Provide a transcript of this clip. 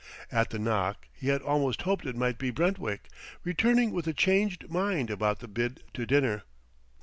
At the knock he had almost hoped it might be Brentwick, returning with a changed mind about the bid to dinner.